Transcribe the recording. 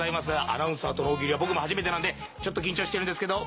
アナウンサーとの大喜利は僕も初めてなんでちょっと緊張してるんですけど